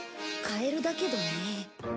カエルだけどね。